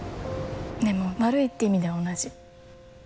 でも悪いって意味では同じ。